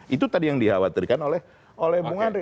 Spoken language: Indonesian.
itu tadi yang dikhawatirkan oleh bung andri